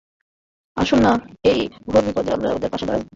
আসুন না, এই ঘোর বিপদে আমরা ওদের পাশে দাঁড়াই।